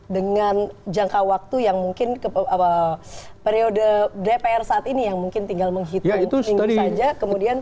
dengan jangka waktu yang mungkin periode dpr saat ini yang mungkin tinggal menghitung minggu saja